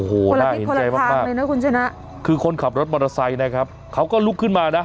โอ้โหน่าเห็นใจมากคือคนขับรถมอเตอร์ไซค์นะครับเขาก็ลุกขึ้นมานะ